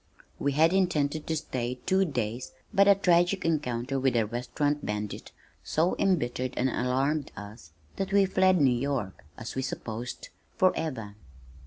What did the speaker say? We had intended to stay two days but a tragic encounter with a restaurant bandit so embittered and alarmed us that we fled New York (as we supposed), forever.